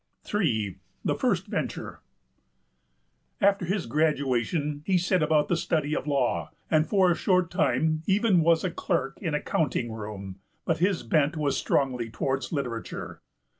III. FIRST VENTURE. After his graduation he set about the study of law, and for a short time even was a clerk in a counting room; but his bent was strongly toward literature.